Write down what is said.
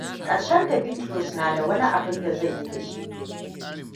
Karshenta Bitrus na da wani abunda zai yi da shi.